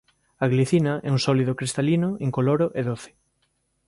A glicina é un sólido cristalino incoloro e doce.